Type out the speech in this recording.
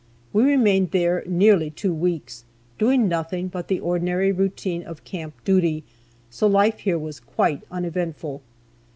We remained here nearly two weeks, doing nothing but the ordinary routine of camp duty, so life here was quite uneventful.